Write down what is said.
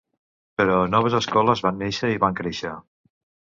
Però noves escoles van néixer i van créixer.